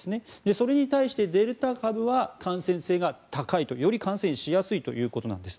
それに対してデルタ株は感染性が高いとより感染しやすいということなんです。